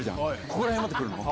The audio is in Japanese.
ここら辺までくるの。